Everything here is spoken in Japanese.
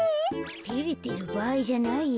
てれてるばあいじゃないよ。